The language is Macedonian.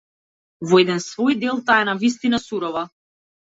Во еден свој дел таа е навистина сурова.